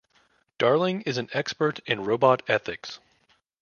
Darling is an expert in robot ethics.